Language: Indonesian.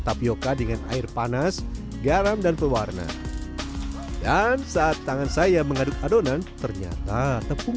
tapioca dengan air panas garam dan pewarna dan saat tangan saya mengaduk adonan ternyata tepung